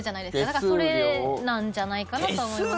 だから、それなんじゃないかなと思いますけども。